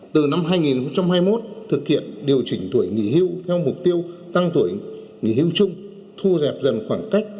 từ năm hai nghìn hai mươi một thực hiện điều chỉnh tuổi nghỉ hưu theo mục tiêu tăng tuổi nghỉ hưu chung